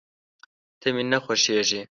ته مي نه خوښېږې !